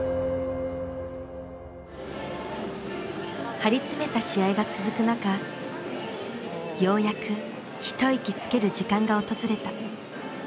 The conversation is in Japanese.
張り詰めた試合が続く中ようやく一息つける時間が訪れた。